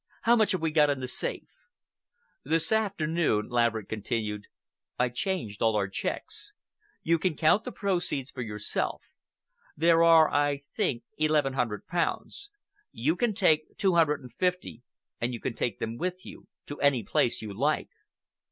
How much have we got in the safe?" "This afternoon," Laverick continued, "I changed all our cheques. You can count the proceeds for yourself. There are, I think, eleven hundred pounds. You can take two hundred and fifty, and you can take them with you—to any place you like."